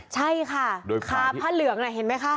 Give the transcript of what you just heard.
ใช่ค่ะโดยคาผ้าเหลืองน่ะเห็นไหมคะ